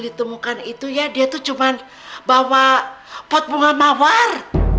ditemukan itu ya dia itu cuma bawa pot bunga mawar